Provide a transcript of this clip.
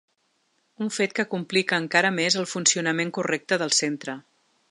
Un fet que complica encara més el funcionament correcte del centre.